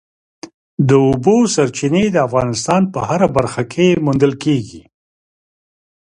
د اوبو سرچینې د افغانستان په هره برخه کې موندل کېږي.